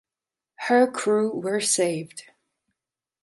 Her crew were saved.